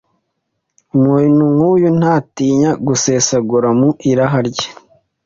Umuntu nk’uyu ntatinya gusesagura mu iraha rye